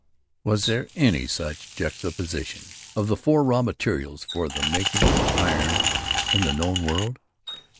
Was there any such juxtaposition of the four raw materials for the making of iron in the known world?